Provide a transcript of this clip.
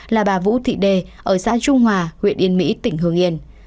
là bà vũ thị đề ở xã trung hòa huyện yên mỹ tỉnh hương yên